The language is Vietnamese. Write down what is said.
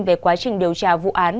về quá trình điều tra vụ án